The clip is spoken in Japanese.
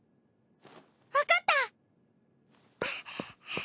わかった！